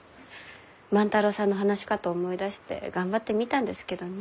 万太郎さんの話し方思い出して頑張ってみたんですけどね。